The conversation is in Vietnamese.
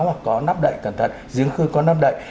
hoặc có nắp đậy cẩn thận giếng khơi có nắp đậy